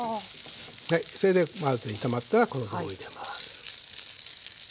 はいそれである程度炒まったらこの具を入れます。